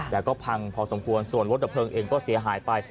แต่ก็พังพอสมควรส่วนรถดับเพลิงเองก็เสียหายไป